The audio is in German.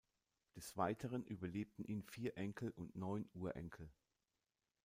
Des Weiteren überlebten ihn vier Enkel und neun Urenkel.